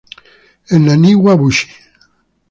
El Naniwa-bushi.